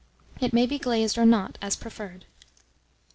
It may be glazed or not, as preferred.